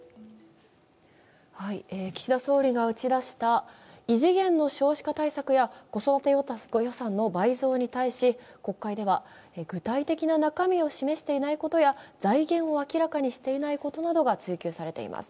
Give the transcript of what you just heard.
岸田総理が打ち出した異次元の少子化対策や子育て予算の倍増に対し国会では具体的な中身を示していないことや財源を明らかにしていないことなどが追及されています。